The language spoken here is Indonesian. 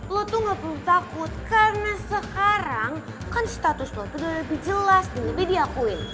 lo tuh ga perlu takut karena sekarang kan status lo tuh udah lebih jelas dan lebih diakuin